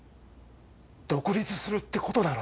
独立するってことだろ。